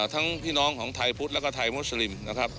พี่น้องของไทยพุทธแล้วก็ไทยมุสลิมนะครับ